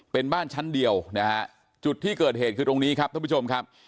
เป็นบ้านชั้นเดียวนะฮะจุดที่เกิดเหตุคือตรงนี้ครับท่านผู้ชมครับ